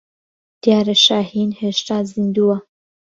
دیارە شاھین هێشتا زیندووە.